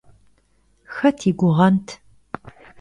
Xet yi guğent?